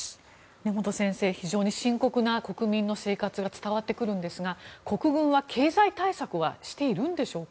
根本先生、非常に深刻な国民の生活が伝わってくるんですが国軍は経済対策はしているんでしょうか。